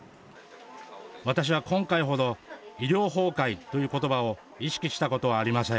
私は今回ほど医療崩壊ということばを意識したことはありません。